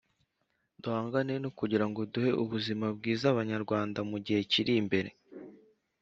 duhangane no kugira ngo duhe ubuzima bwiza Abanyarwanda mu gihe kiri imbere